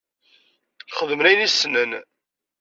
Xedmen ayen i ssnen.